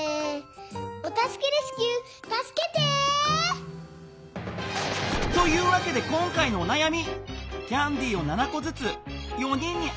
お助けレスキューたすけて！というわけで今回のおなやみ。